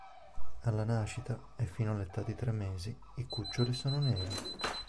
Alla nascita, e fino all'età di tre mesi, i cuccioli sono neri.